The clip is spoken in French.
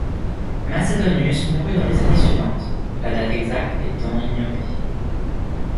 Macédonios mourut dans les années suivantes, la date exacte étant ignorée.